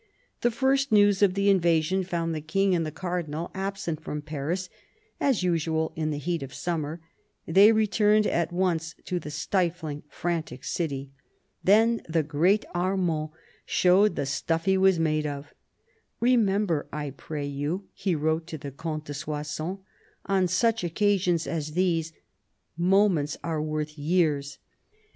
The first news of the invasion found the King and the Cardinal absent from Paris as usual in the heat of summer. They returned at once to the stifling, frantic city. Then "the great Armand" showed the stuff he was made of. " Remember, I pray you," he wrote to the Comte de Soissons, " on such occasions as these, moments are worth years."